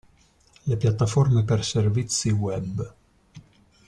Le piattaforme per servizi web.